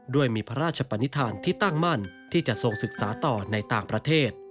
ด้วยมีพระราชปนิษฐานที่ตั้งมั่นที่จะทรงศึกษาต่อในต่างประเทศ